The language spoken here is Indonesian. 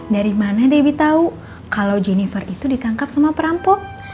dari mana dewi tahu kalau jennifer itu ditangkap sama perampok